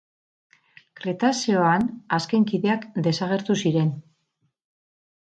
Kretazeoan azken kideak desagertu ziren.